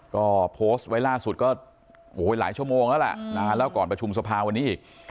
ก็โพสต์ไว้ล่าสุดก็หลายชั่วโมงแล้วล่ะแล้วก่อนประชุมสภาวันนี้อีก